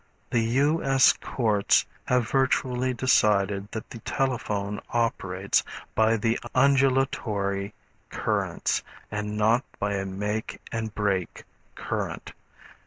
The U. S. Courts have virtually decided that the telephone operates by the undulatory currents, and not by a make and break current.